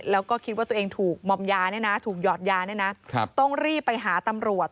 แล้วก็คิดว่าตัวเองถูกมอมยาเนี่ยนะถูกหยอดยาเนี่ยนะต้องรีบไปหาตำรวจ